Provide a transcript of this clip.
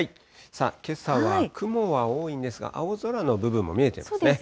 けさは雲は多いんですが、青空の部分も見えてますね。